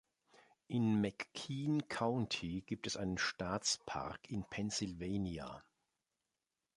In McKean County gibt es einen Staatspark in Pennsylvania.